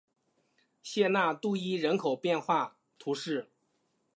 谢讷杜伊人口变化图示